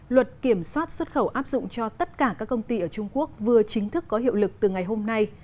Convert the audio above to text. luật kiểm soát xuất khẩu áp dụng cho tất cả các công ty ở trung quốc vừa chính thức có hiệu lực từ ngày hôm nay